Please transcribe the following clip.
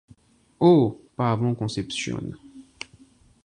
Oh ! pas avant Concepcion.